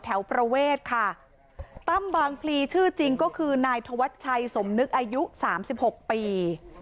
แถวประเวทค่ะตั้มบางพลีชื่อจริงก็คือนายธวัดชัยสมนึกอายุ๓๖ปี